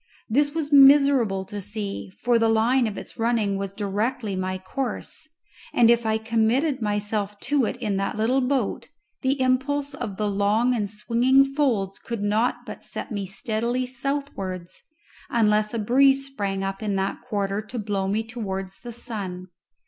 This was miserable to see, for the line of its running was directly my course, and if I committed myself to it in that little boat, the impulse of the long and swinging folds could not but set me steadily southwards, unless a breeze sprang up in that quarter to blow me towards the sun.